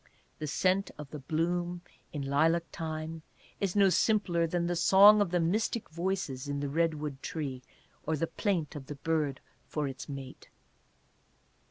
The scent of the bloom in lilac time is no simpler than the song of the mystic voices in the redwood tree, or the plaint of the bird for its mate.